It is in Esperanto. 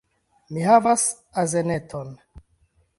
Mi havas azeneton